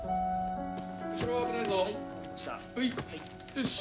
よし！